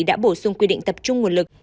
đã bổ sung quy định tập trung nguồn lực